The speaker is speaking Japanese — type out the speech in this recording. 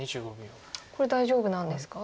これ大丈夫なんですか？